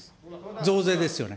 増税ですよね。